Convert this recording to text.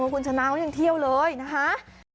คุณชนะเขายังเที่ยวเลยนะคะ